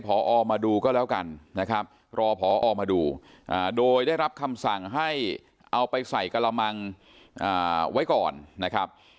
พอมาดูก็แล้วกันนะครับรอพอมาดูโดยได้รับคำสั่งให้เอาไปใส่กระมังไว้ก่อนนะครับ